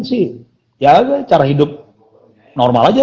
sih ya cara hidup normal aja